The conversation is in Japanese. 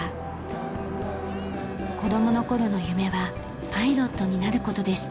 子供の頃の夢はパイロットになる事でした。